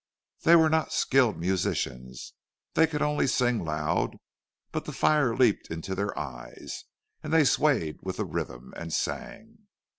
They were not skilled musicians—they could only sing loud; but the fire leaped into their eyes, and they swayed with the rhythm, and sang!